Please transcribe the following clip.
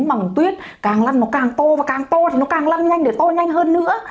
màu tuyết càng lăn nó càng to và càng to thì nó càng lăn nhanh để to nhanh hơn nữa